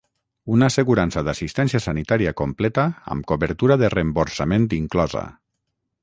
una assegurança d'assistència sanitària completa amb cobertura de reemborsament inclosa